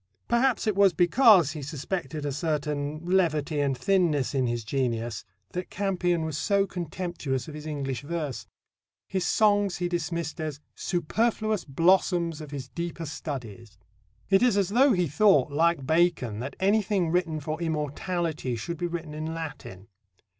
Perhaps it was because he suspected a certain levity and thinness in his genius that Campion was so contemptuous of his English verse. His songs he dismissed as "superfluous blossoms of his deeper studies." It is as though he thought, like Bacon, that anything written for immortality should be written in Latin.